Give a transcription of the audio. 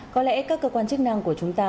có lẽ các cơ quan chức năng của chúng ta